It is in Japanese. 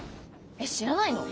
えっ知らないの？